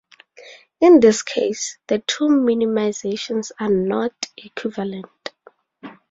In this case the two minimisations are "not" equivalent.